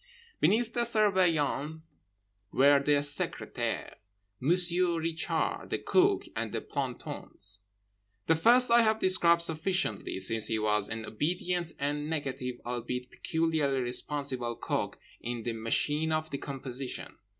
Beneath the Surveillant were the Secrétaire, Monsieur Richard, the Cook, and the plantons. The first I have described sufficiently, since he was an obedient and negative—albeit peculiarly responsible—cog in the machine of decomposition.